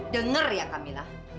dengar ya kamila